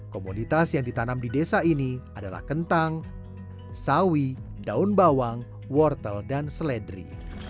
komoditas yang ditanam di desa ini adalah kentang sawi daun bawang wortel dan seledri